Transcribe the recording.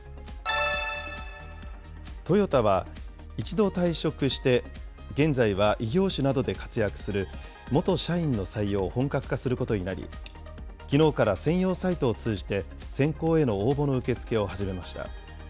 トヨタは一度退職して、現在は異業種などで活躍する元社員の採用を本格化することになり、きのうから専用サイトを通じて、選考への応募の受け付けを始めました。